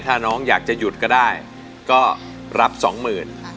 ถ้าน้องอยากจะหยุดก็ได้ก็รับสองหมื่น